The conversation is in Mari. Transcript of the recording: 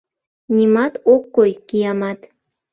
— Нимат ок кой, киямат!